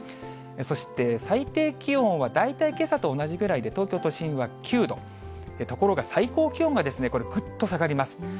そして最低気温は、大体けさと同じぐらいで、東京都心は９度、ところが最高気温がこれ、ぐっと下がります。